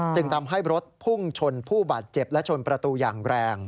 จึงทำให้รถพุ่งชนผู้บาดเจ็บและชนประตูอย่างแรง